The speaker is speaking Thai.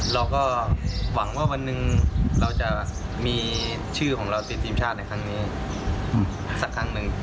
เราก็หวังว่าวันหนึ่งเราจะมีชื่อของเราติดทีมชาติในครั้งนี้สักครั้งหนึ่ง